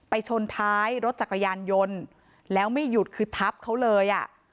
ชนท้ายรถจักรยานยนต์แล้วไม่หยุดคือทับเขาเลยอ่ะ